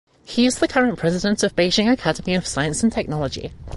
He is the current President of Beijing Academy of Science and Technology.